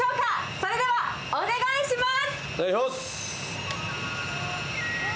それでは、お願いします！